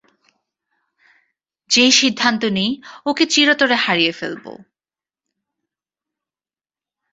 যেই সিদ্ধান্ত নিই, ওকে চিরতরে হারিয়ে ফেলবো।